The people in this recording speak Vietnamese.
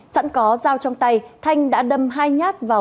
sẵn có dao trong tay thanh đã đâm hai nhát vào